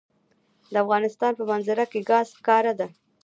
د افغانستان په منظره کې ګاز ښکاره ده.